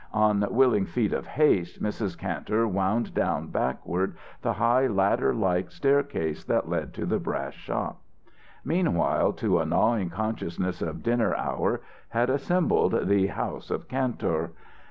On willing feet of haste, Mrs. Kantor wound down backward the high, ladderlike staircase that led to the brass shop. Meanwhile, to a gnawing consciousness of dinner hour, had assembled the house of Kantor.